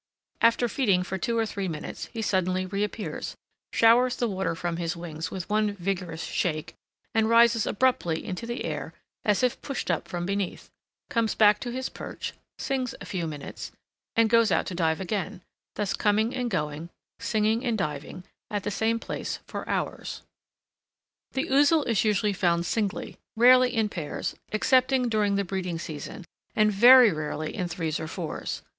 After feeding for two or three minutes he suddenly reappears, showers the water from his wings with one vigorous shake, and rises abruptly into the air as if pushed up from beneath, comes back to his perch, sings a few minutes, and goes out to dive again; thus coming and going, singing and diving at the same place for hours. [Illustration: ONE OF THE LATE SUMMER FEEDING GROUNDS OF THE OUZEL.] The Ouzel is usually found singly; rarely in pairs, excepting during the breeding season, and very rarely in threes or fours.